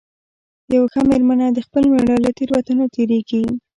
یوه ښه مېرمنه د خپل مېړه له تېروتنو تېرېږي.